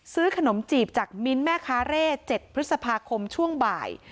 ซื้อขนมจีบจากมิ้นท์แม่ค้าเร่๗พฤษภาคมช่วงบ่าย